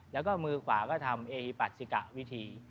แล้วก็มือขวาก็ทำเอปัสิกะวิธี